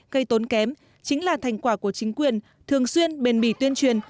cây tốn kém chính là thành quả của chính quyền thường xuyên bền bỉ tuyên truyền